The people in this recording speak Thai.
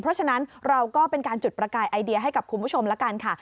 เพราะฉะนั้นเราก็เป็นการจุดประกายไอเดียให้กับคุณผู้ชมละกันค่ะ